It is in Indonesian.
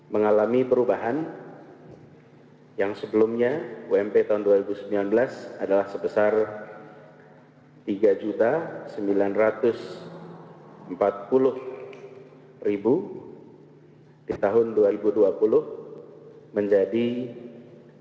mengalami perubahan yang sebelumnya ump tahun dua ribu sembilan belas adalah sebesar rp tiga sembilan ratus empat puluh di tahun dua ribu dua puluh menjadi rp empat dua ratus enam puluh tujuh tiga ratus empat puluh sembilan sembilan ratus enam